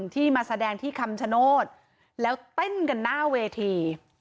ที่มาแสดงที่คำชโนธแล้วเต้นกันหน้าเวที